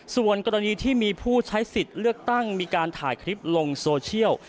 ส่วนกรณีที่มีผู้ใช้สิทธิ์เลือกตั้งมีการถ่ายคลิปลงโซเชียล